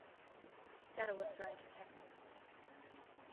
He said I was going to Texas.